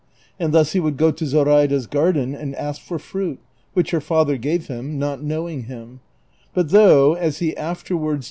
And thus he would go to Zoi aida's garden and ask for fruit, which her father gave him, not knowing him ; but though, as he afterwards B46 DON QUIXOTE.